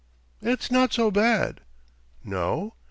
"It's not so bad." "No?"